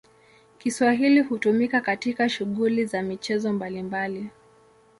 Kiswahili hutumika katika shughuli za michezo mbalimbali.